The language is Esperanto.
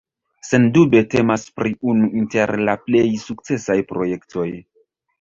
Sendube temas pri unu inter la plej sukcesaj projektoj.